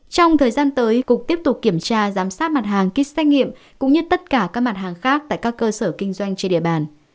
trong thời gian tới cục tiếp tục kiểm tra giám sát mặt hàng kích xét nghiệm cũng như tất cả các mặt hàng khác tại các cơ sở kinh doanh trên địa bàn